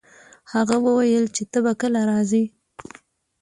هغه وویل چي ته به کله راځي؟